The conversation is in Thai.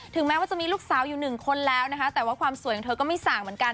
แม้ว่าจะมีลูกสาวอยู่หนึ่งคนแล้วนะคะแต่ว่าความสวยของเธอก็ไม่ส่างเหมือนกัน